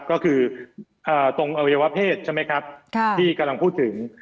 ก็คือตรงอวัยวะเพศใช่ไหมครับที่กำลังพูดถึง